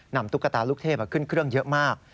ตุ๊กตาลูกเทพขึ้นเครื่องเยอะมาก